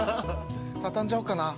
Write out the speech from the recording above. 畳んじゃおうかな。